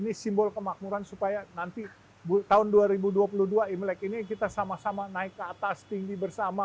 jadi ini simbol kemakmuran supaya nanti tahun dua ribu dua puluh dua imlek ini kita sama sama naik ke atas setinggi bersama